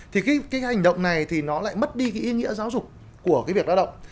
thì cái hành động này thì nó lại mất đi ý nghĩa giáo dục của việc lao động